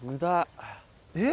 えっ。